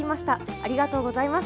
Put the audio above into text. ありがとうございます。